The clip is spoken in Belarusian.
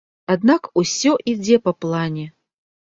Аднак усё ідзе па плане.